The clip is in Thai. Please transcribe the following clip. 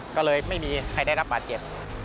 ก็เลยไม่มีใครได้รับบาดเจ็บ